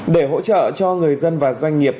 để hỗ trợ cho người dân và doanh nghiệp